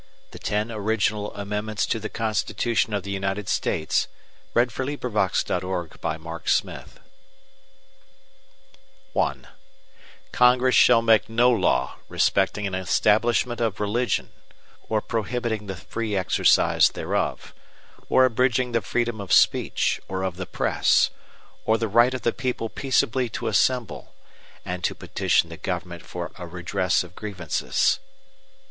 The Ten Original Amendments to the Constitution of the United States Passed by Congress September 25, 1789 Ratified December 15, 1791 I Congress shall make no law respecting an establishment of religion, or prohibiting the free exercise thereof; or abridging the freedom of speech, or of the press, or the right of the people peaceably to assemble, and to petition the Government for a redress of grievances.